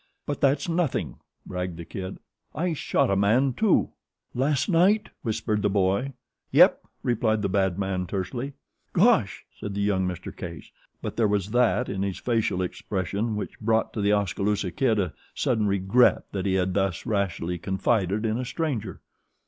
"But that's nothing," bragged The Kid. "I shot a man, too." "Last night?" whispered the boy. "Yep," replied the bad man, tersely. "Gosh!" said the young Mr. Case, but there was that in his facial expression which brought to The Oskaloosa Kid a sudden regret that he had thus rashly confided in a stranger.